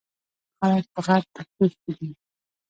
خلک په غټ تکليف کښې دے ـ